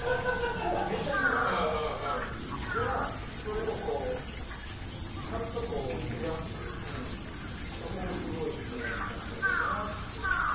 でも、それをこう、ちゃんとすり合わせてくれるという、そこがすごいよかったんじゃないかなって。